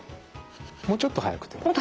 もうちょっと速くても。